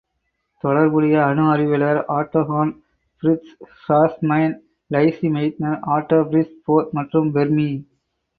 தொடர்புடைய அணு அறிவியலார் Otto Hahn, Fritz Strassmann, Lise Meitner, Otto Frisch, Bohr மற்றும் பெர்மி.